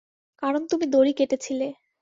কারণ তুমি দড়ি কেটেছিলে।